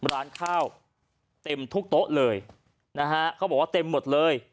ร้านข้าวเต็มทุกโต๊ะเลยนะฮะเขาบอกว่าเต็มหมดเลย